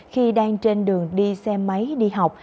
khi đang trên đường đi xe máy đi học